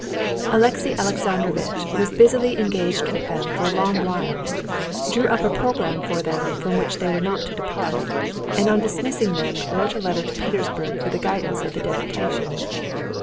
Alexey Alexandrovitch was busily engaged with them for a long while, drew up a program for them from which they were not to depart, and on dismissing them wrote a letter to Petersburg for the guidance of the deputation.